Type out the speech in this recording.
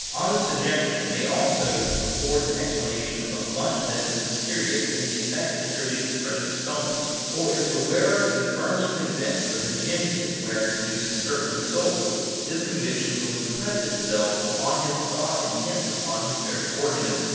Auto suggestion may also afford an explanation of much that is mysterious in the effects attributed to precious stones, for if the wearer be firmly convinced that the gem he is wearing produces certain results, this conviction will impress itself upon his thought and hence upon his very organism.